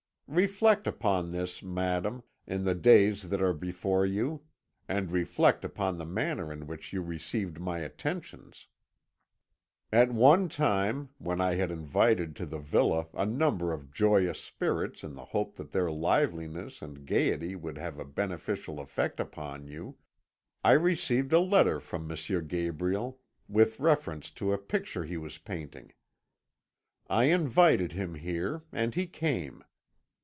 Reflect upon this, madame, in the days that are before you, and reflect upon the manner in which you received my attentions. At one time, when I had invited to the villa a number of joyous spirits in the hope that their liveliness and gaiety would have a beneficial effect upon you, I received a letter from M. Gabriel with reference to a picture he was painting. I invited him here, and he came.